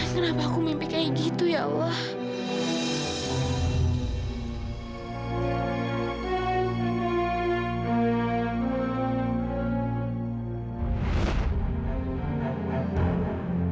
kenapa aku mimpi kayak gitu ya allah